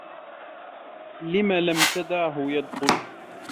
لم لم تدْعه يدخل؟